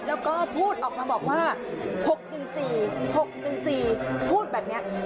แล้วก็พูดออกมาบอกว่าหกหนึ่งสี่หกหนึ่งสี่พูดแบบเนี้ย